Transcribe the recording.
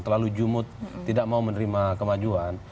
terlalu jumut tidak mau menerima kemajuan